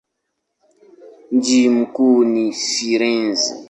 Mji mkuu ni Firenze.